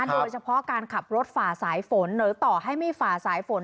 โดยเฉพาะการขับรถฝ่าสายฝนหรือต่อให้ไม่ฝ่าสายฝน